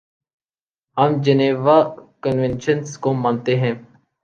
ہم Geneva conventions کو مانتے ہیں۔